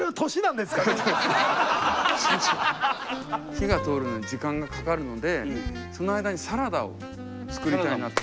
火が通るのに時間がかかるのでその間にサラダを作りたいなと。